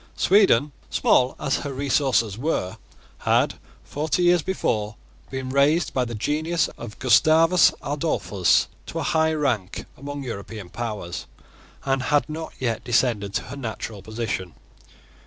Sweden, small as her resources were, had, forty years before, been raised by the genius of Gustavus Adolphus to a high rank among European powers, and had not yet descended to her natural position.